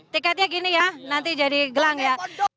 tiketnya gini ya nanti jadi gelang ya